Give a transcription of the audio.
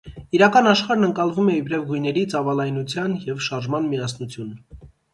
Իրական աշխարհն ընկալվում է իբրև գույների, ծավալայնության և շարժման միասնություն։